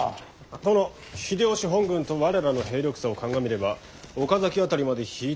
殿秀吉本軍と我らの兵力差を鑑みれば岡崎辺りまで引いて籠城するが得策かと。